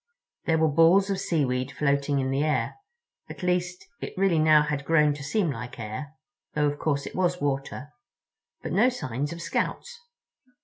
There were balls of seaweed floating in the air—at least, it really now had grown to seem like air, though, of course, it was water—but no signs of Scouts.